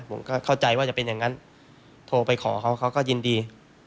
ผมก็เข้าใจว่าจะเป็นอย่างนั้นโทรไปขอเขาเขาก็ยินดี